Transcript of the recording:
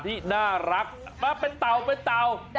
ที่น่ารักมาเป็นเต่า